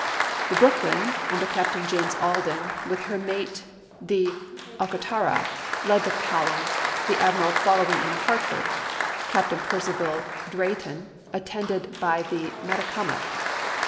The Brooklyn, under Captain James Alden, with her mate the Octorara, led the column, the admiral following in the Hartford, Captain Percival Dray ton, attended by the Metacomet.